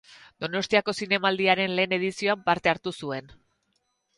Donostiako Zinemaldiaren lehen edizioan parte hartu zuen.